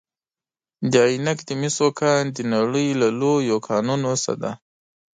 د عینک د مسو کان د نړۍ له لویو کانونو څخه دی.